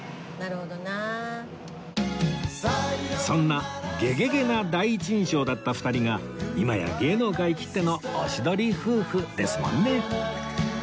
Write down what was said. そんなゲゲゲな第一印象だった２人が今や芸能界きってのおしどり夫婦ですもんね